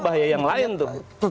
bahaya yang lain tuh